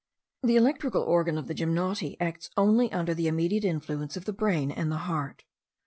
The electrical organ of the gymnoti acts only under the immediate influence of the brain and the heart.